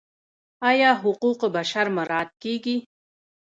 آیا حقوق بشر مراعات کیږي؟